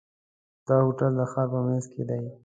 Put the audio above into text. دا هوټل د ښار په منځ کې دی.